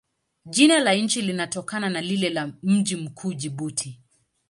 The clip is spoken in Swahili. Jina la nchi linatokana na lile la mji mkuu, Jibuti.